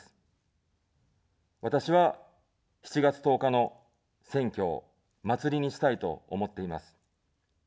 私は、７月１０日の選挙を祭りにしたいと思っています。